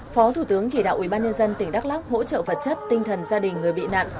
phó thủ tướng chỉ đạo ubnd tỉnh đắk lắc hỗ trợ vật chất tinh thần gia đình người bị nạn